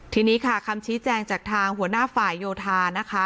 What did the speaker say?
ทีนี้ค่ะคำชี้แจงจากทางหัวหน้าฝ่ายโยธานะคะ